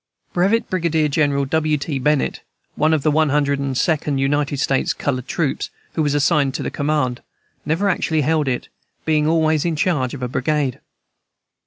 Brevet Brigadier General W. T. Bennett, of the One Hundred and Second United States Colored Troops, who was assigned to the command, never actually held it, being always in charge of a brigade.